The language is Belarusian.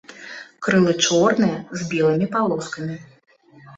Крылы чорныя з белымі палоскамі.